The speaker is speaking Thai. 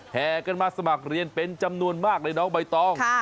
แห่กันมาสมัครเรียนเป็นจำนวนมากเลยน้องใบตอง